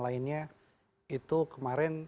lainnya itu kemarin